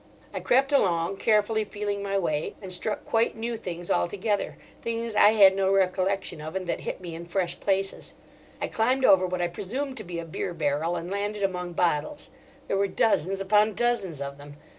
I crept along, carefully feeling my way, and struck quite new things altogether—things I had no recollection of and that hit me in fresh places. I climbed over what I presumed to be a beer barrel and landed among bottles; there were dozens upon dozens of them.